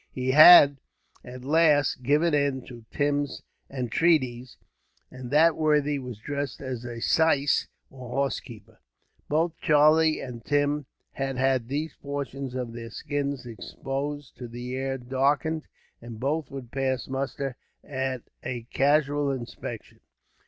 He had, at last, given in to Tim's entreaties; and that worthy was dressed as a syce, or horse keeper. Both Charlie and Tim had had those portions of their skin exposed to the air darkened, and both would pass muster, at a casual inspection.